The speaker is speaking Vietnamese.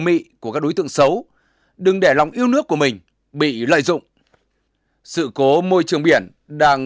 mị của các đối tượng xấu đừng để lòng yêu nước của mình bị lợi dụng sự cố môi trường biển đang